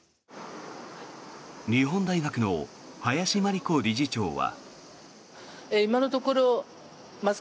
日本大学の林真理子理事長は。